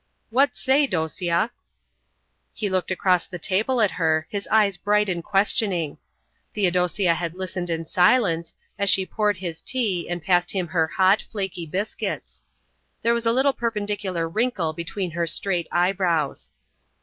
"What say, Dosia?" He looked across the table at her, his eyes bright and questioning. Theodosia had listened in silence, as she poured his tea and passed him her hot, flaky biscuits. There was a little perpendicular wrinkle between her straight eyebrows.